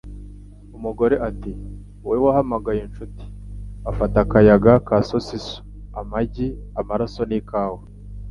Umugore ati: "Wowe, wahamagaye, nshuti", afata akayaga ka sosiso, amagi, amaraso, n'ikawa.